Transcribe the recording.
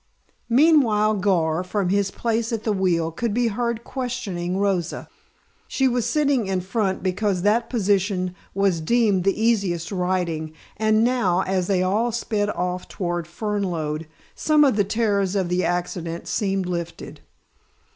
Meanwhile Gar, from his place at the wheel, could be heard questioning Rosa. She was sitting in front because that position was deemed the easiest riding, and now, as they all sped off toward Fernlode, some of the terrors of the accident seemed lifted.